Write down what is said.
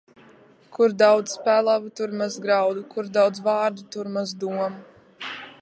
Kur daudz pelavu, tur maz graudu; kur daudz vārdu, tur maz domu.